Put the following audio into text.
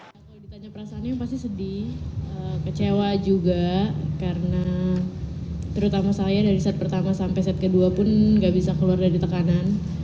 kalau ditanya perasaannya pasti sedih kecewa juga karena terutama saya dari set pertama sampai set kedua pun gak bisa keluar dari tekanan